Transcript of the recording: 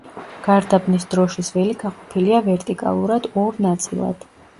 გარდაბნის დროშის ველი გაყოფილია ვერტიკალურად ორ ნაწილად.